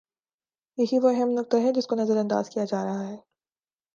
یہی وہ اہم نکتہ ہے جس کو نظر انداز کیا جا رہا ہے۔